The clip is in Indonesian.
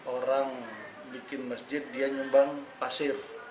orang bikin masjid dia nyumbang pasir